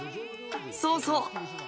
そうそう！